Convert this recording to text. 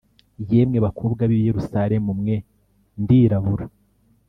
Yemwe bakobwa b i Yerusalemu mwe Ndirabura